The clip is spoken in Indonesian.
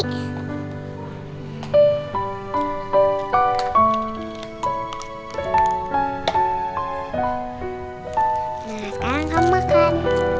nah sekarang kamu makan